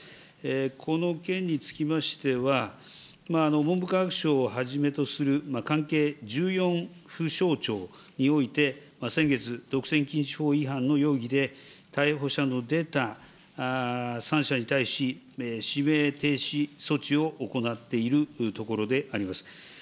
この件につきましては、文部科学省をはじめとする関係１４府省庁において、先月、独占禁止法違反の容疑で逮捕者の出た３社に対し、指名停止措置を行っているところであります。